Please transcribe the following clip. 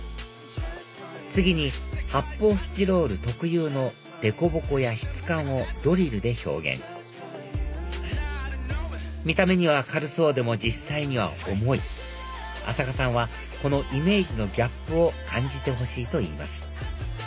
次に発泡スチロール特有の凸凹や質感をドリルで表現見た目には軽そうでも実際には重い浅香さんはこのイメージのギャップを感じてほしいといいます